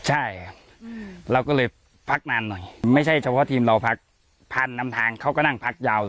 ใช่ครับเราก็เลยพักนานหน่อยไม่ใช่เฉพาะทีมเราพักพันธุ์นำทางเขาก็นั่งพักยาว